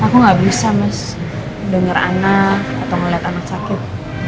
aku gak bisa mas dengar anak atau ngeliat anak sakit